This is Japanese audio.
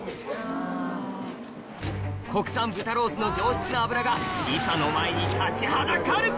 国産豚ロースの上質な脂がりさの前に立ちはだかる！